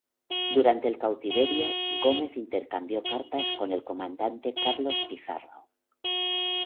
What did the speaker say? Durante el cautiverio, Gómez intercambió cartas con el comandante Carlos Pizarro.